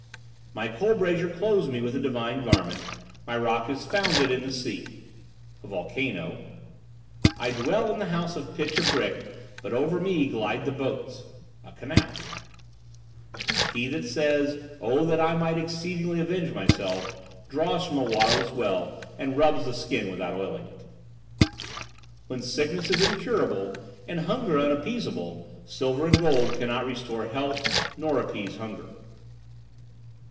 "My coal brazier clothes me with a divine garment, my rock is founded in the sea" (a volcano). "I dwell in a house of pitch and brick, but over me glide the boats" (a canal). "He that says, 'Oh, that I might exceedingly avenge myself!' draws from a waterless well, and rubs the skin without oiling it." "When sickness is incurable and hunger unappeasable, silver and gold cannot restore health nor appease hunger."